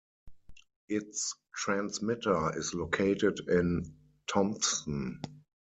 Its transmitter is located in Thompson.